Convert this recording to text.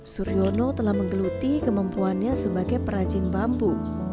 suryono telah menggeluti kemampuannya sebagai perajin bambu